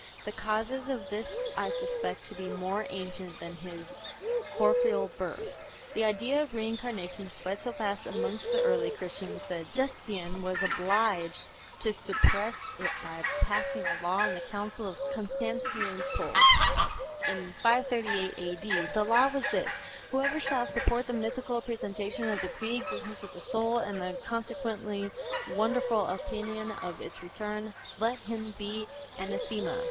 The causes of this I suspect to be more ancient than this corporeal birth." The idea of Reincarnation spread so fast amongst the early Christians that Justinian was obliged to suppress it by passing a law in the Council of Constantinople in 538 A.D. The law was this: "Whoever shall support the mythical presentation of the pre existence of the soul, and the consequently wonderful opinion of its return, let him be Anathema."